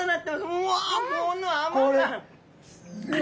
うわこの甘さ！